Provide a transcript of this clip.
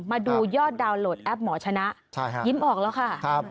มาดูยอดดาวน์โหลดแอปหมอชนะยิ้มออกแล้วค่ะ